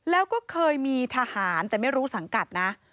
แล้วก็เคยมีทหารแต่ไม่รู้สังกัดนะ